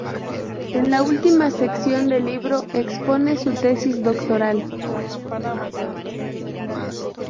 En la última sección del libro expone su tesis doctoral.